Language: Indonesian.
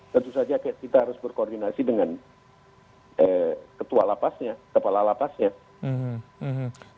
tentu saja kita harus berkoordinasi dengan ketua lapasnya kepala lapasnya